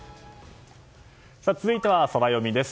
続いてはソラよみです。